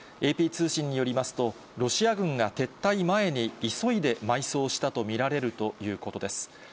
ＡＰ通信によりますと、ロシア軍が撤退前に急いで埋葬したと見られるということです。